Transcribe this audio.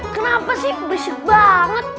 kenapa sih bersih banget